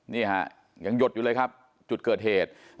นี่ฮะยังหยดอยู่เลยครับจุดเกิดเหตุ